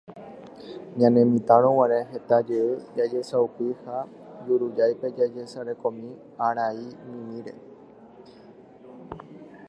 ñanemitãroguare heta jey jajesaupi ha jurujáipe jajesarekómi araimimíre.